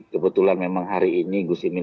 kebetulan memang hari ini gus imin